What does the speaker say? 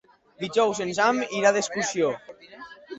Dijous en Sam irà d'excursió.